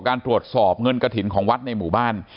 การตรวจสอบเงินกระถิ่นของวัดในหมู่บ้าน